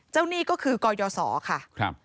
เจ้าหนี้ก็คือกอยนศค่ะครับ